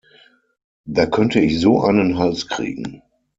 Da könnte ich so einen Hals kriegen!